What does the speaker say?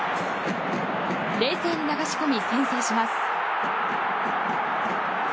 冷静に流し込み先制します。